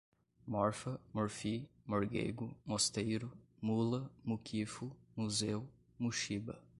morfa, morfi, morgêgo, mosteiro, mula, muquifo, museu, muxiba